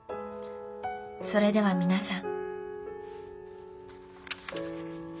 それでは皆さん。